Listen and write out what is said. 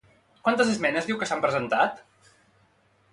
Quantes esmenes diu que s'han presentat?